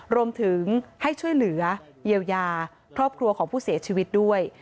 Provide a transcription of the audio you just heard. รวมถึงให้ช่วยเหลือเยียวยาครอบครัวของผู้เสียชีวิตด้วย